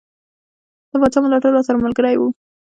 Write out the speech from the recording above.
د پاچا ملاتړ راسره ملګری وو.